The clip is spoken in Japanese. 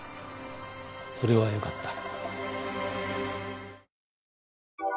それはよかった。